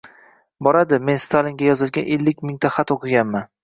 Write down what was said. — Boradi, men Stalinga yozilgan ellik mingta xat o’qiganman.